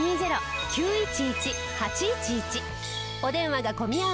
お電話が混み合う